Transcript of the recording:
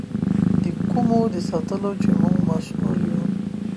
د کومو د ساتلو چې موږ مسؤل یو.